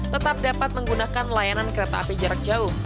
tetap dapat menggunakan layanan kereta api jarak jauh